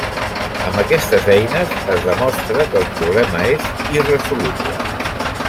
Amb aquestes eines es demostra que el problema és irresoluble.